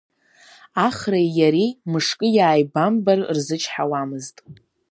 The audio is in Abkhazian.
Ахреи иареи мышкы иааибамбар рзычҳауамызт.